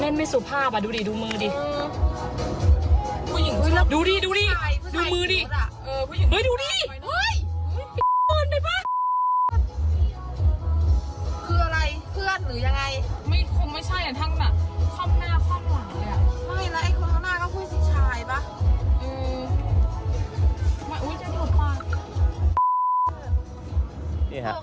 นี่ฮะ